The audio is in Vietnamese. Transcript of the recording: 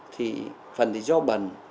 thì phần thì do bẩn